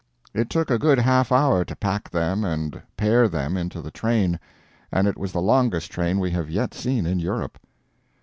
It took a good half hour to pack them and pair them into the train—and it was the longest train we have yet seen in Europe.